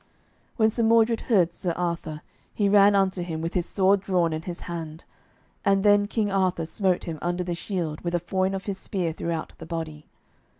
When Sir Mordred heard Sir Arthur, he ran unto him with his sword drawn in his hand, and then King Arthur smote him under the shield with a foin of his spear throughout the body.